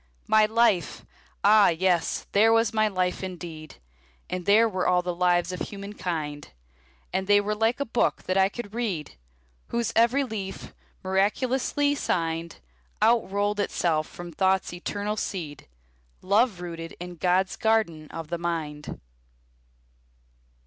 My life! Ah, yes, there was my life, indeed! And there were all the lives of humankind; And they were like a book that I could read, Whose every leaf, miraculously signed, Outrolled itself from Thought's eternal seed, Love rooted in God's garden of the mind.